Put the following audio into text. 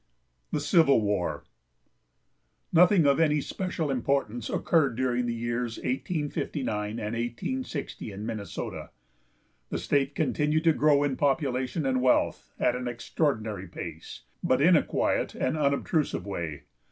THE CIVIL WAR. Nothing of any special importance occurred during the years 1859 and 1860 in Minnesota. The state continued to grow in population and wealth at an extraordinary pace, but in a quiet and unobtrusive way.